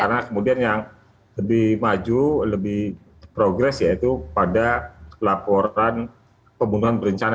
karena kemudian yang lebih maju lebih progres ya itu pada laporan pembunuhan bercana